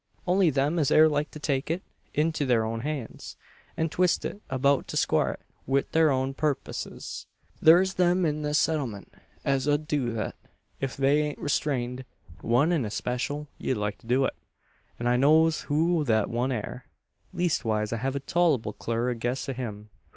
Only them as air like to take it into thur own hands, an twist it abeout to squar it wi' thur own purpisses. Thur's them in this Settlement as 'ud do thet, ef they ain't rustrained. One in espeecial 'ud like to do it; an I knows who thet one air leestwise I hev a tolable clur guess o' him."